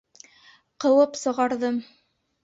Ҡыуып сығарҙым.